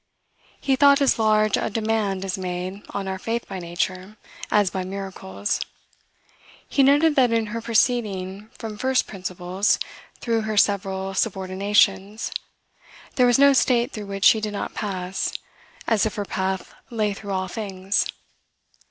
He thought as large a demand is made on our faith by nature, as by miracles. "He noted that in her proceeding from first principles through her several subordinations, there was no state through which she did not pass, as if her path lay through all things."